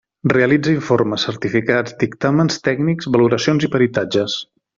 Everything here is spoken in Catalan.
Realitza informes, certificats, dictàmens tècnics, valoracions i peritatges.